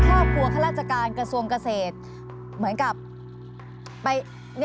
ค้าพั่วฮราชการกระทรวมเกษตร